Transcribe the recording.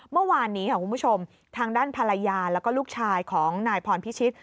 เมื่อวานนี้ค่ะคุณผู้ชมทางด้านภรรยาแล้วก็ลูกชายของนายพรพิชิต